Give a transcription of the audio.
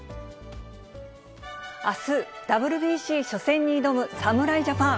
あす、ＷＢＣ初戦に挑む侍ジャパン。